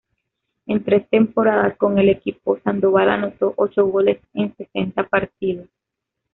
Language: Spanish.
En tres temporadas con el equipo, Sandoval anotó ocho goles en sesenta partidos.